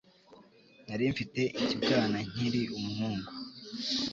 Nari mfite ikibwana nkiri umuhungu